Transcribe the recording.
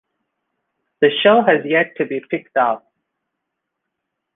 The show has yet to be picked up.